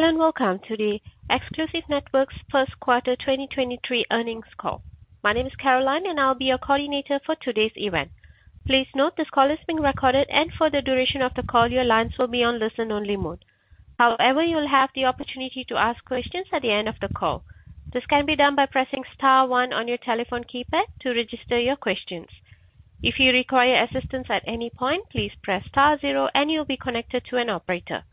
Hello, welcome to the Exclusive Networks' first quarter 2023 earnings call. My name is Caroline, and I'll be your coordinator for today's event. Please note this call is being recorded, and for the duration of the call, your lines will be on listen-only mode. However, you'll have the opportunity to ask questions at the end of the call. This can be done by pressing star one on your telephone keypad to register your questions. If you require assistance at any point, please press star zero and you'll be connected to an operator.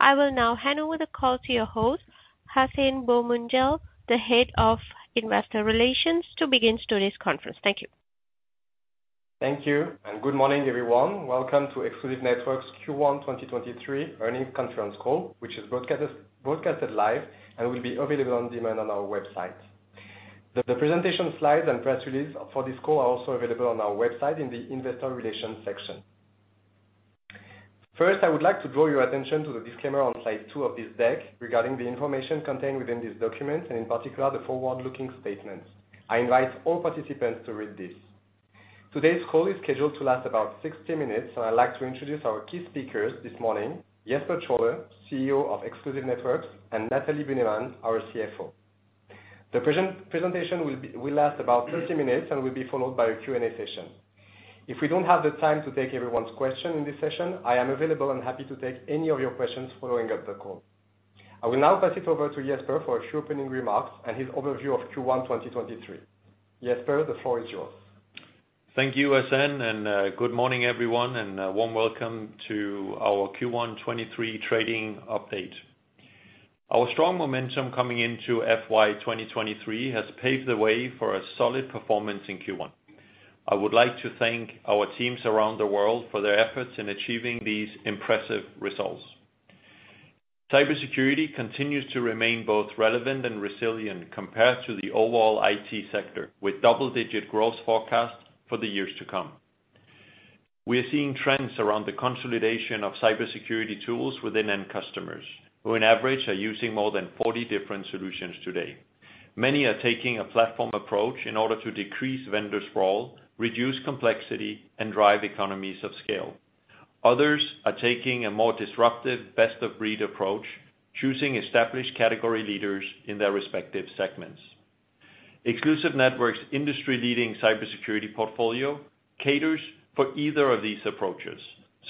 I will now hand over the call to your host, Hacene Boumendjel, the head of investor relations, to begin today's conference. Thank you. Thank you, and good morning, everyone. Welcome to Exclusive Networks' Q1 2023 earnings conference call, which is broadcasted live and will be available on demand on our website. The presentation slides and press release for this call are also available on our website in the investor relations section. First, I would like to draw your attention to the disclaimer on slide two of this deck regarding the information contained within this document and, in particular, the forward-looking statements. I invite all participants to read this. Today's call is scheduled to last about 60 minutes. I'd like to introduce our key speakers this morning, Jesper Trolle, CEO of Exclusive Networks, and Nathalie Bühnemann, our CFO. The presentation will last about 30 minutes and will be followed by a Q&A session. If we don't have the time to take everyone's question in this session, I am available and happy to take any of your questions following up the call. I will now pass it over to Jesper for a few opening remarks and his overview of Q1 2023. Jesper, the floor is yours. Thank you, Hacene, good morning, everyone, and a warm welcome to our Q1 2023 trading update. Our strong momentum coming into FY 2023 has paved the way for a solid performance in Q1. I would like to thank our teams around the world for their efforts in achieving these impressive results. Cybersecurity continues to remain both relevant and resilient compared to the overall IT sector, with double-digit growth forecast for the years to come. We are seeing trends around the consolidation of cybersecurity tools within end customers, who on average are using more than 40 different solutions today. Many are taking a platform approach in order to decrease vendor sprawl, reduce complexity, and drive economies of scale. Others are taking a more disruptive best-of-breed approach, choosing established category leaders in their respective segments. Exclusive Networks' industry-leading cybersecurity portfolio caters for either of these approaches.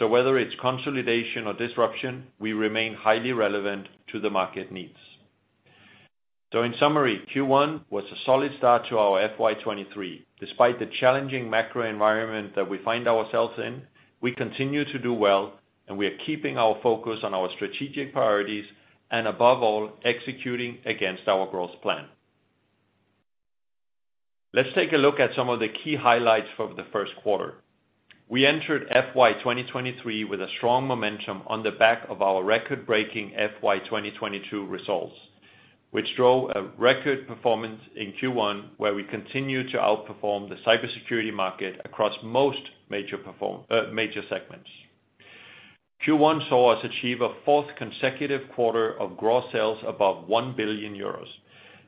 Whether it's consolidation or disruption, we remain highly relevant to the market needs. In summary, Q1 was a solid start to our FY 2023. Despite the challenging macro environment that we find ourselves in, we continue to do well, and we are keeping our focus on our strategic priorities and above all, executing against our growth plan. Let's take a look at some of the key highlights from the first quarter. We entered FY 2023 with a strong momentum on the back of our record-breaking FY 2022 results, which drove a record performance in Q1, where we continued to outperform the cybersecurity market across most major segments. Q1 saw us achieve a fourth consecutive quarter of gross sales above 1 billion euros.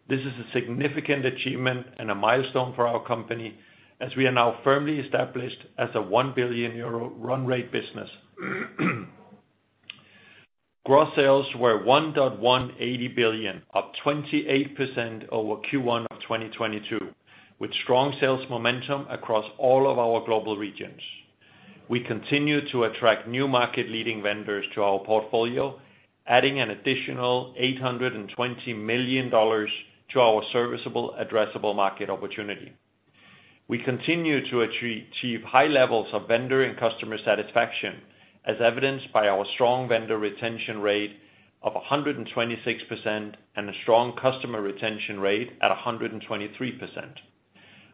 This is a significant achievement and a milestone for our company, as we are now firmly established as a 1 billion euro run rate business. Gross sales were 1.18 billion, up 28% over Q1 of 2022, with strong sales momentum across all of our global regions. We continue to attract new market-leading vendors to our portfolio, adding an additional $820 million to our serviceable addressable market opportunity. We continue to achieve high levels of vendor and customer satisfaction, as evidenced by our strong vendor retention rate of 126% and a strong customer retention rate at 123%.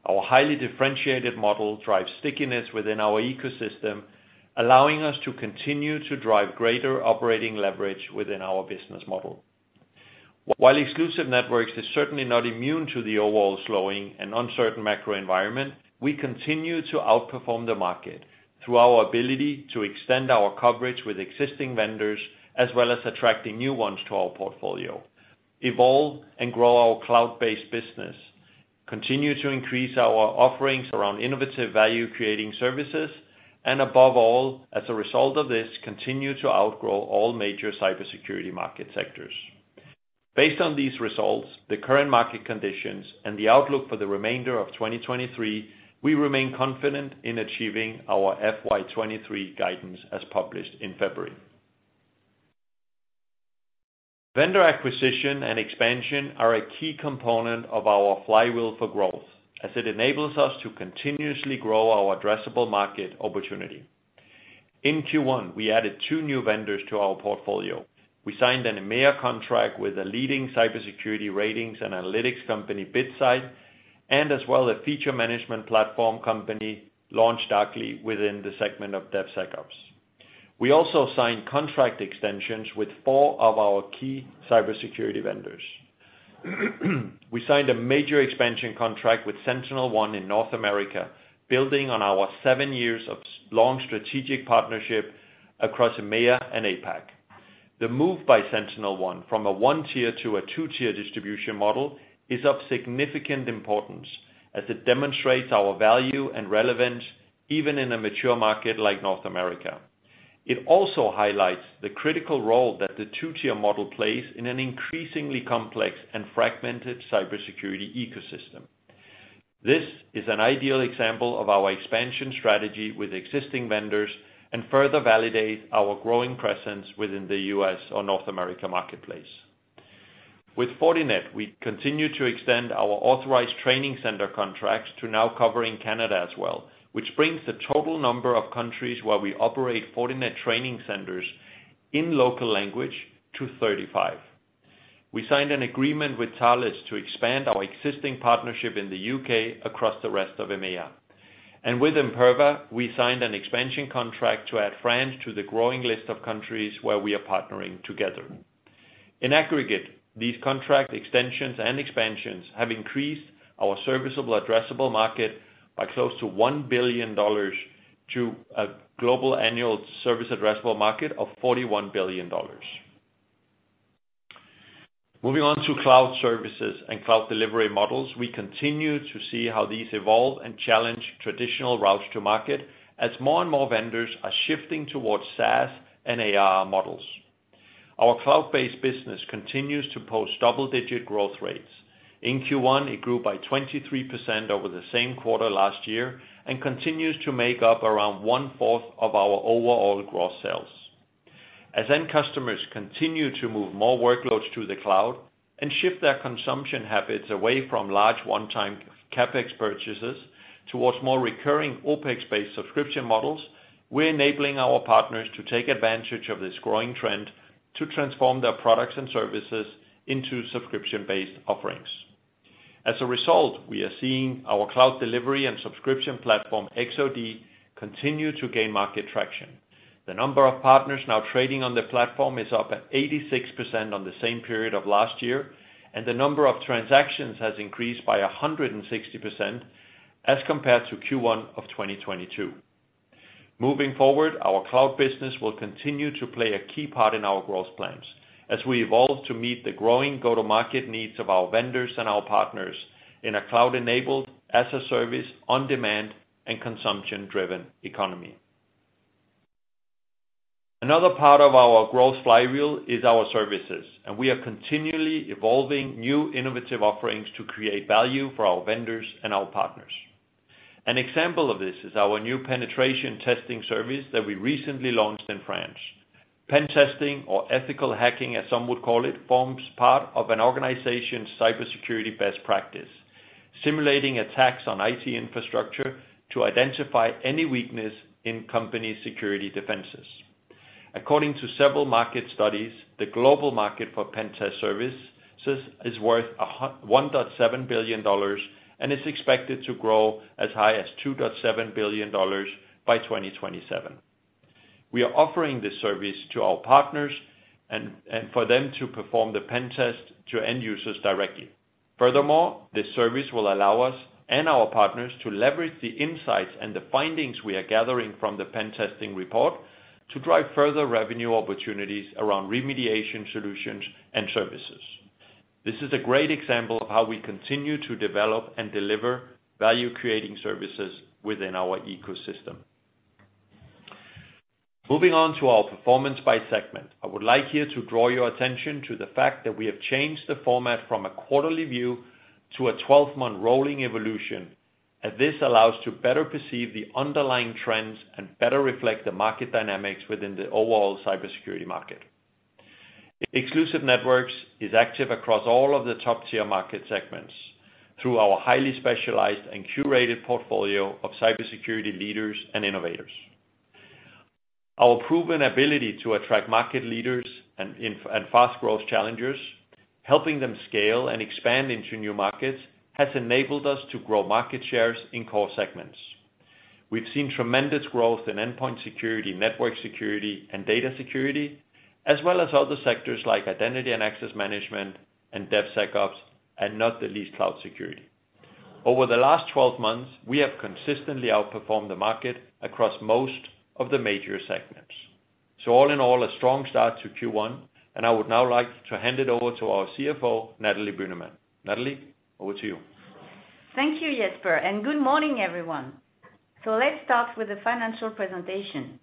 Our highly differentiated model drives stickiness within our ecosystem, allowing us to continue to drive greater operating leverage within our business model. While Exclusive Networks is certainly not immune to the overall slowing and uncertain macro environment, we continue to outperform the market through our ability to extend our coverage with existing vendors as well as attracting new ones to our portfolio, evolve and grow our cloud-based business, continue to increase our offerings around innovative value-creating services, and above all, as a result of this, continue to outgrow all major cybersecurity market sectors. Based on these results, the current market conditions, and the outlook for the remainder of 2023, we remain confident in achieving our FY 2023 guidance as published in February. Vendor acquisition and expansion are a key component of our flywheel for growth, as it enables us to continuously grow our addressable market opportunity. In Q1, we added two new vendors to our portfolio. We signed an EMEA contract with a leading cybersecurity ratings and analytics company, Bitsight, and as well a feature management platform company, LaunchDarkly, within the segment of DevSecOps. We also signed contract extensions with four of our key cybersecurity vendors. We signed a major expansion contract with SentinelOne in North America, building on our seven years of long strategic partnership across EMEA and APAC. The move by SentinelOne from a one-tier to a two-tier distribution model is of significant importance, as it demonstrates our value and relevance even in a mature market like North America. It also highlights the critical role that the two-tier model plays in an increasingly complex and fragmented cybersecurity ecosystem. This is an ideal example of our expansion strategy with existing vendors, and further validates our growing presence within the U.S. or North America marketplace. With Fortinet, we continue to extend our authorized training center contracts to now covering Canada as well, which brings the total number of countries where we operate Fortinet training centers in local language to 35. We signed an agreement with Talos to expand our existing partnership in the U.K. across the rest of EMEA. With Imperva, we signed an expansion contract to add France to the growing list of countries where we are partnering together. In aggregate, these contract extensions and expansions have increased our serviceable addressable market by close to $1 billion to a global annual serviceable addressable market of $41 billion. Moving on to cloud services and cloud delivery models, we continue to see how these evolve and challenge traditional routes to market as more and more vendors are shifting towards SaaS and ARR models. Our cloud-based business continues to post double-digit growth rates. In Q1, it grew by 23% over the same quarter last year, and continues to make up around 1/4 of our overall gross sales. As end customers continue to move more workloads to the cloud and shift their consumption habits away from large one-time CapEx purchases towards more recurring OpEx-based subscription models, we're enabling our partners to take advantage of this growing trend to transform their products and services into subscription-based offerings. As a result, we are seeing our cloud delivery and subscription platform, X-OD, continue to gain market traction. The number of partners now trading on the platform is up at 86% on the same period of last year, and the number of transactions has increased by 160% as compared to Q1 of 2022. Moving forward, our cloud business will continue to play a key part in our growth plans as we evolve to meet the growing go-to-market needs of our vendors and our partners in a cloud-enabled, as-a-service, on-demand, and consumption-driven economy. Another part of our growth flywheel is our services, and we are continually evolving new innovative offerings to create value for our vendors and our partners. An example of this is our new penetration testing service that we recently launched in France. Pen Testing or Ethical Hacking, as some would call it, forms part of an organization's cybersecurity best practice, simulating attacks on IT infrastructure to identify any weakness in company security defenses. According to several market studies, the global market for Pen Test services is worth $1.7 billion, and is expected to grow as high as $2.7 billion by 2027. We are offering this service to our partners and for them to perform the Pen Test to end users directly. Furthermore, this service will allow us and our partners to leverage the insights and the findings we are gathering from the Pen Testing report to drive further revenue opportunities around remediation solutions and services. This is a great example of how we continue to develop and deliver value-creating services within our ecosystem. Moving on to our performance by segment. I would like here to draw your attention to the fact that we have changed the format from a quarterly view to a 12-month rolling evolution, as this allows to better perceive the underlying trends and better reflect the market dynamics within the overall cybersecurity market. Exclusive Networks is active across all of the top-tier market segments through our highly specialized and curated portfolio of cybersecurity leaders and innovators. Our proven ability to attract market leaders and fast growth challengers, helping them scale and expand into new markets, has enabled us to grow market shares in core segments. We've seen tremendous growth in endpoint security, network security, and data security, as well as other sectors like identity and access management and DevSecOps, and not the least, cloud security. Over the last 12 months, we have consistently outperformed the market across most of the major segments. All in all, a strong start to Q1, and I would now like to hand it over to our CFO, Nathalie Bühnemann. Nathalie, over to you. Thank you, Jesper. Good morning, everyone. Let's start with the financial presentation.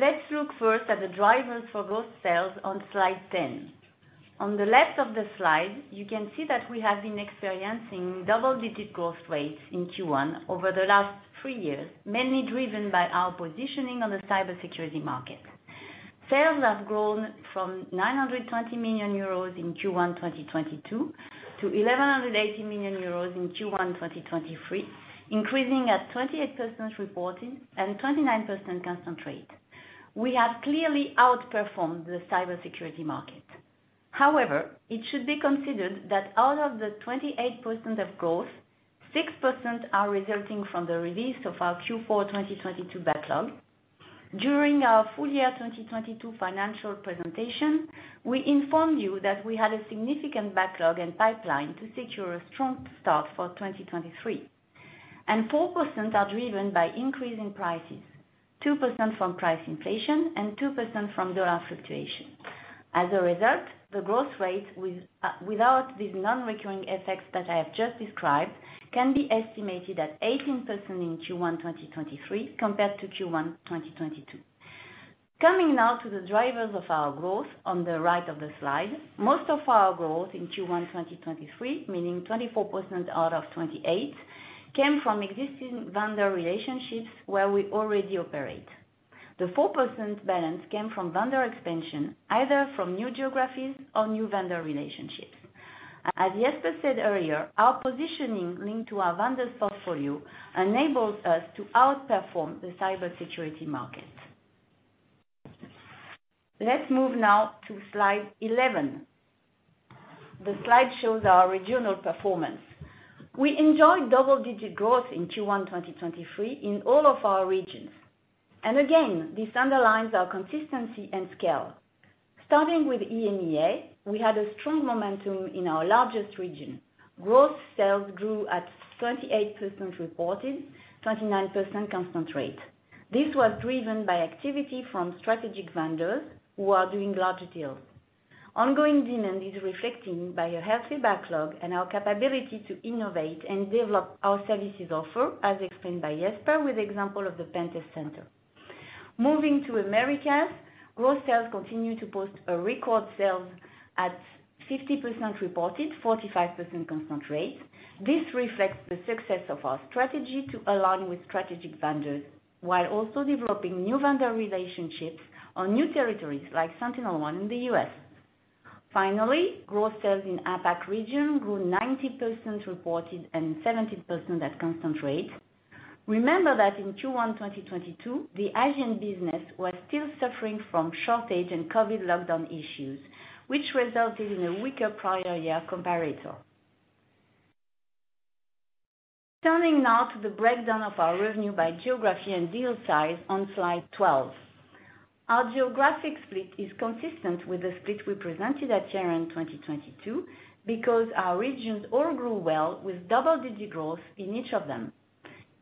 Let's look first at the drivers for growth sales on slide 10. On the left of the slide, you can see that we have been experiencing double-digit growth rates in Q1 over the last three years, mainly driven by our positioning on the cybersecurity market. Sales have grown from 920 million euros in Q1 2022 to 1,180 million euros in Q1 2023, increasing at 28% reported and 29% constant currency. We have clearly outperformed the cybersecurity market. However, it should be considered that out of the 28% of growth, 6% are resulting from the release of our Q4 2022 backlog. During our full year 2022 financial presentation, we informed you that we had a significant backlog and pipeline to secure a strong start for 2023. 4% are driven by increasing prices, 2% from price inflation and 2% from dollar fluctuation. As a result, the growth rate without these non-recurring effects that I have just described can be estimated at 18% in Q1 2023 compared to Q1 2022. Coming now to the drivers of our growth on the right of the slide. Most of our growth in Q1 2023, meaning 24% out of 28, came from existing vendor relationships where we already operate. The 4% balance came from vendor expansion, either from new geographies or new vendor relationships. As Jesper said earlier, our positioning linked to our vendor's portfolio enables us to outperform the cybersecurity market. Let's move now to slide 11. The slide shows our regional performance. We enjoyed double-digit growth in Q1 2023 in all of our regions. Again, this underlines our consistency and scale. Starting with EMEAR, we had a strong momentum in our largest region. Growth sales grew at 28% reported, 29% constant currency. This was driven by activity from strategic vendors who are doing larger deals. Ongoing demand is reflected by a healthy backlog and our capability to innovate and develop our services offer, as explained by Jesper with the example of the Pen Test Center. Moving to Americas, growth sales continue to post a record sales at 50% reported, 45% constant currency. This reflects the success of our strategy to align with strategic vendors while also developing new vendor relationships on new territories like SentinelOne in the U.S. Growth sales in APAC region grew 19% reported and 17% at constant currency. Remember that in Q1 2022, the Asian business was still suffering from shortage and COVID lockdown issues, which resulted in a weaker prior year comparator. Turning now to the breakdown of our revenue by geography and deal size on slide 12. Our geographic split is consistent with the split we presented at year-end 2022 because our regions all grew well with double-digit growth in each of them.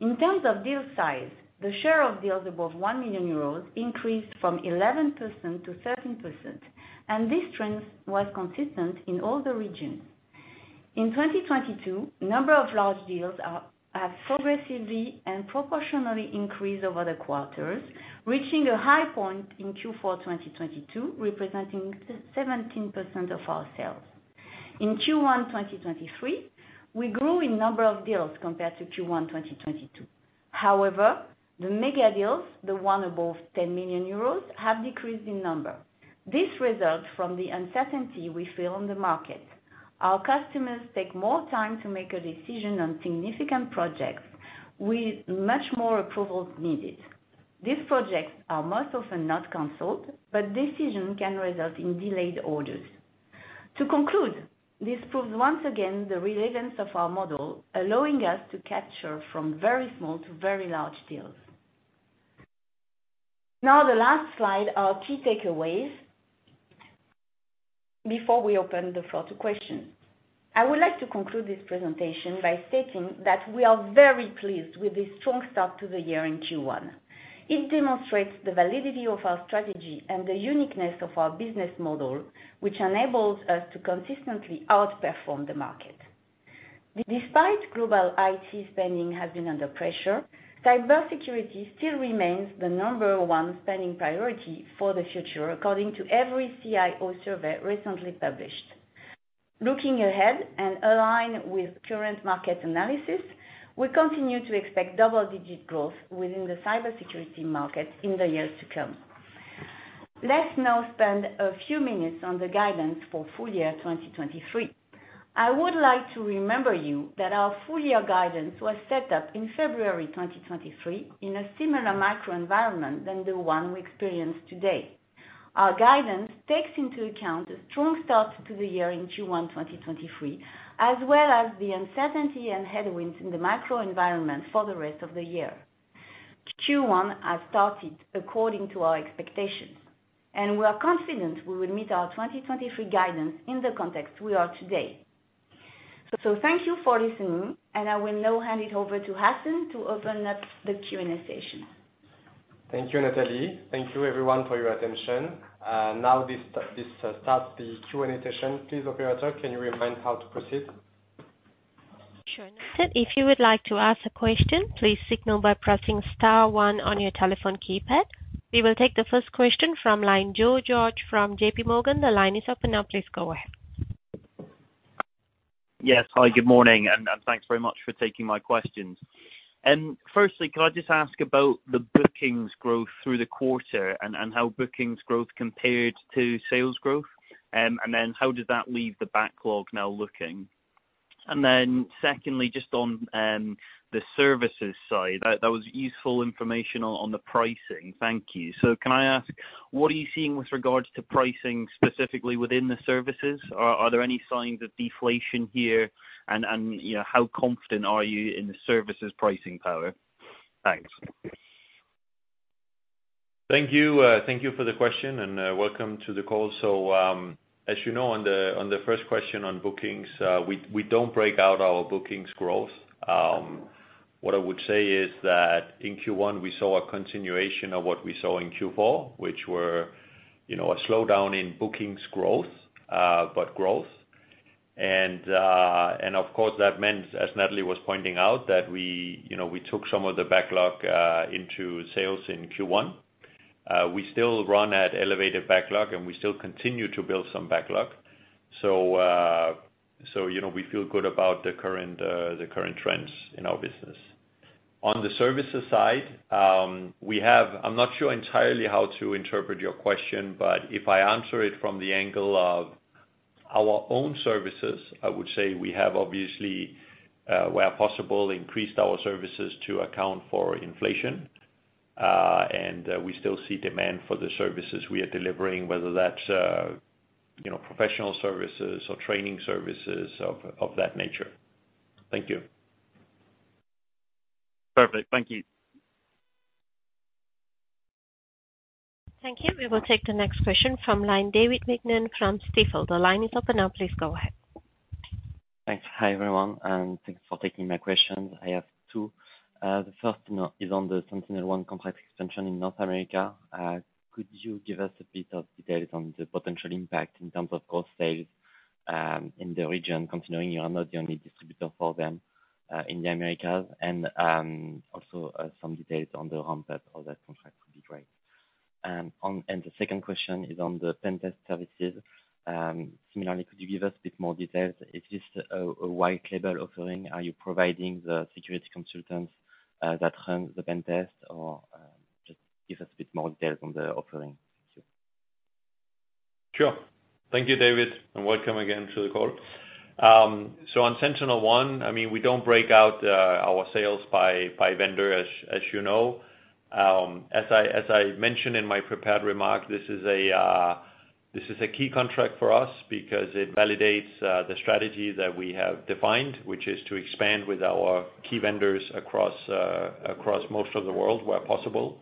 In terms of deal size, the share of deals above 1 million euros increased from 11% -13%, and this trend was consistent in all the regions. In 2022, number of large deals have progressively and proportionally increased over the quarters, reaching a high point in Q4 2022, representing 17% of our sales. In Q1 2023, we grew in number of deals compared to Q1 2022. The mega deals, the one above 10 million euros, have decreased in number. This result from the uncertainty we feel in the market. Our customers take more time to make a decision on significant projects with much more approvals needed. These projects are most often not canceled, decision can result in delayed orders. To conclude, this proves once again the relevance of our model, allowing us to capture from very small to very large deals. The last slide, our key takeaways, before we open the floor to questions. I would like to conclude this presentation by stating that we are very pleased with this strong start to the year in Q1. It demonstrates the validity of our strategy and the uniqueness of our business model, which enables us to consistently outperform the market. Despite global IT spending has been under pressure, cybersecurity still remains the number one spending priority for the future, according to every CIO survey recently published. Looking ahead and aligned with current market analysis, we continue to expect double-digit growth within the cybersecurity market in the years to come. Let's now spend a few minutes on the guidance for full year 2023. I would like to remember you that our full year guidance was set up in February 2023 in a similar macro environment than the one we experience today. Our guidance takes into account a strong start to the year in Q1 2023, as well as the uncertainty and headwinds in the macro environment for the rest of the year. Q1 has started according to our expectations. We are confident we will meet our 2023 guidance in the context we are today. Thank you for listening, and I will now hand it over to Hacene to open up the Q&A session. Thank you, Nathalie. Thank you everyone for your attention. This starts the Q&A session. Please, operator, can you remind how to proceed? Sure. If you would like to ask a question, please signal by pressing star one on your telephone keypad. We will take the first question from line Joe George from JPMorgan. The line is open now. Please go ahead. Yes. Hi, good morning, and thanks very much for taking my questions. Firstly, could I just ask about the bookings growth through the quarter and how bookings growth compared to sales growth? How does that leave the backlog now looking? Secondly, just on the services side, that was useful information on the pricing. Thank you. Can I ask, what are you seeing with regards to pricing specifically within the services? Are there any signs of deflation here? And, you know, how confident are you in the services pricing power? Thanks. Thank you. Thank you for the question and welcome to the call. As you know, on the first question on bookings, we don't break out our bookings growth. What I would say is that in Q1, we saw a continuation of what we saw in Q4, which were, you know, a slowdown in bookings growth, but growth. Of course, that meant, as Nathalie was pointing out, that we, you know, took some of the backlog, into sales in Q1. We still run at elevated backlog, and we still continue to build some backlog. You know, we feel good about the current trends in our business. On the services side, we have... I'm not sure entirely how to interpret your question, but if I answer it from the angle of our own services, I would say we have obviously, where possible, increased our services to account for inflation. We still see demand for the services we are delivering, whether that's, you know, professional services or training services of that nature. Thank you. Perfect. Thank you. Thank you. We will take the next question from line, David Vignon from Stifel. The line is open now. Please go ahead. Thanks. Hi, everyone, and thanks for taking my questions. I have two. The first one is on the SentinelOne contract extension in North America. Could you give us a bit of details on the potential impact in terms of cost sales in the region, considering you are not the only distributor for them in the Americas? Also, some details on the ramp-up of that contract would be great. The second question is on the Pen Test services. Similarly, could you give us a bit more details? Is this a white label offering? Are you providing the security consultants that run the Pen Test? Or, just give us a bit more details on the offering. Thank you. Sure. Thank you, David, and welcome again to the call. On SentinelOne, I mean, we don't break out our sales by vendor as you know. As I mentioned in my prepared remarks, this is a key contract for us because it validates the strategy that we have defined, which is to expand with our key vendors across most of the world where possible.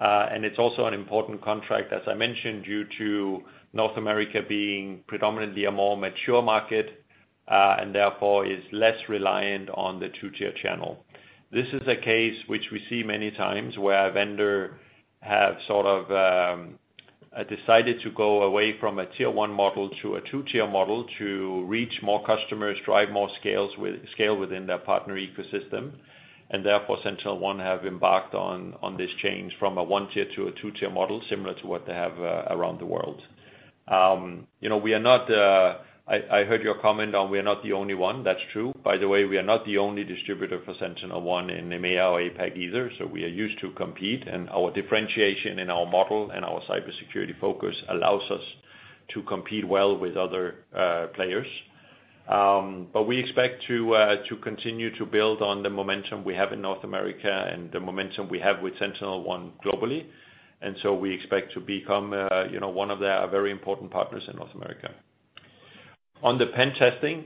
It's also an important contract, as I mentioned, due to North America being predominantly a more mature market, and therefore is less reliant on the tier two channel. This is a case which we see many times where a vendor have sort of decided to go away from a one-tier model to a two-tier model to reach more customers, drive more scale within their partner ecosystem. Therefore, SentinelOne have embarked on this change from a one-tier to a two-tier model, similar to what they have around the world. You know, we are not... I heard your comment on we are not the only one. That's true. By the way, we are not the only distributor for SentinelOne in EMEA or APAC either, so we are used to compete. Our differentiation in our model and our cybersecurity focus allows us to compete well with other players. We expect to continue to build on the momentum we have in North America and the momentum we have with SentinelOne globally. We expect to become, you know, one of their very important partners in North America. On the Pen Testing,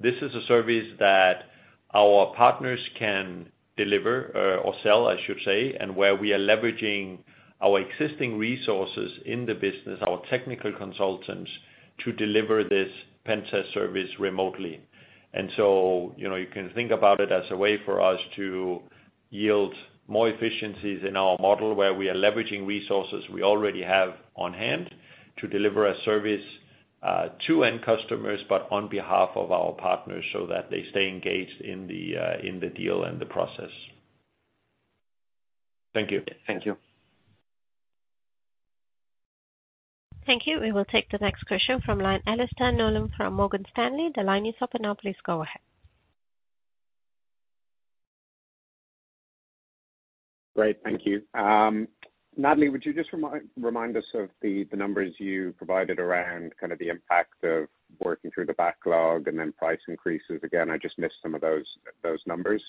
this is a service that our partners can deliver, or sell, I should say, and where we are leveraging our existing resources in the business, our technical consultants, to deliver this Pen Test service remotely. You know, you can think about it as a way for us to yield more efficiencies in our model, where we are leveraging resources we already have on-hand to deliver a service to end customers, but on behalf of our partners, so that they stay engaged in the deal and the process. Thank you. Thank you. Thank you. We will take the next question from line, Alastair Nolan from Morgan Stanley. The line is open now. Please go ahead. Great, thank you. Nathalie, would you just remind us of the numbers you provided around kind of the impact of working through the backlog and then price increases? Again, I just missed some of those numbers.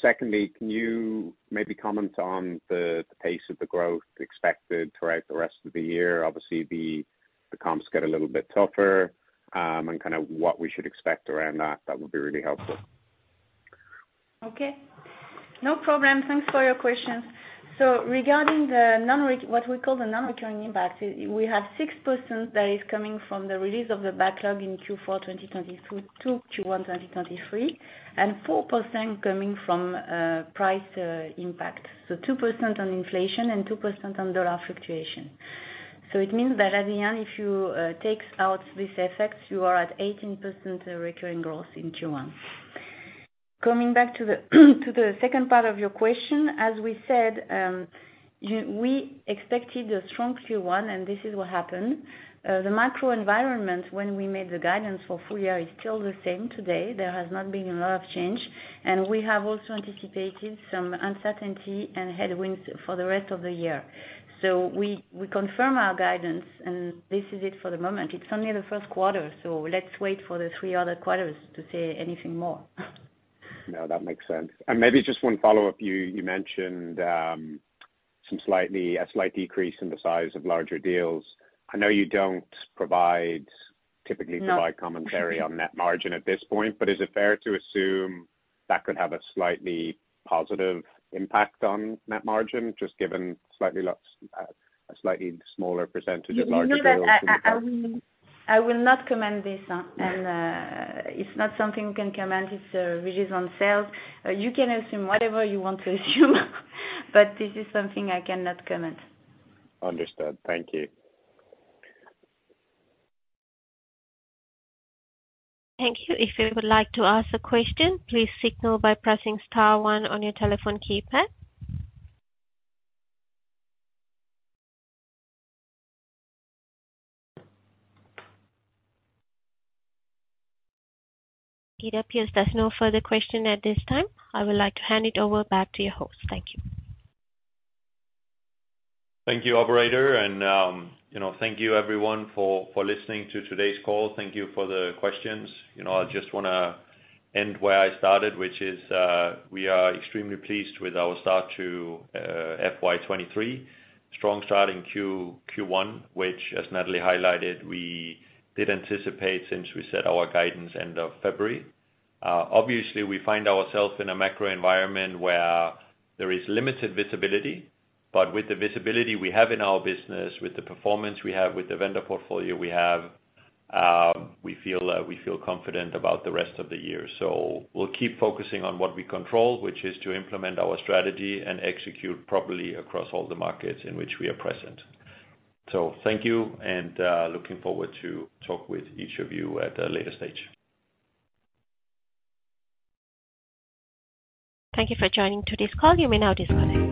Secondly, can you maybe comment on the pace of the growth expected throughout the rest of the year? Obviously, the comps get a little bit tougher, and kinda what we should expect around that. That would be really helpful. Okay. No problem. Thanks for your questions. Regarding what we call the non-recurring impact, we have 6% that is coming from the release of the backlog in Q4 2022-Q1 2023, and 4% coming from price impact. 2% on inflation and 2% on dollar fluctuation. It means that at the end, if you take out this effect, you are at 18% recurring growth in Q1. Coming back to the second part of your question, as we said, we expected a strong Q1, and this is what happened. The macro environment when we made the guidance for full year is still the same today. There has not been a lot of change. We have also anticipated some uncertainty and headwinds for the rest of the year. We confirm our guidance, and this is it for the moment. It's only the first quarter, so let's wait for the three other quarters to say anything more. No, that makes sense. Maybe just one follow-up. You mentioned a slight decrease in the size of larger deals. I know you don't provide typically. No. Provide commentary on net margin at this point, but is it fair to assume that could have a slightly positive impact on net margin, just given slightly less, a slightly smaller percentage of larger deals in the quarter? You know that I will not comment this. Yeah. It's not something we can comment. It's really on sales. You can assume whatever you want to assume, but this is something I cannot comment. Understood. Thank you. Thank you. If you would like to ask a question, please signal by pressing star one on your telephone keypad. It appears there's no further question at this time. I would like to hand it over back to your host. Thank you. Thank you, operator. You know, thank you everyone for listening to today's call. Thank you for the questions. You know, I just wanna end where I started, which is we are extremely pleased with our start to FY23. Strong start in Q1, which, as Nathalie highlighted, we did anticipate since we set our guidance end of February. Obviously, we find ourselves in a macro environment where there is limited visibility, but with the visibility we have in our business, with the performance we have, with the vendor portfolio we have, we feel confident about the rest of the year. We'll keep focusing on what we control, which is to implement our strategy and execute properly across all the markets in which we are present. Thank you, and looking forward to talk with each of you at a later stage. Thank you for joining today's call. You may now disconnect.